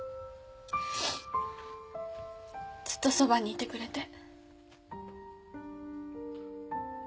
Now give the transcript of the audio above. ずっとそばにいてくれて。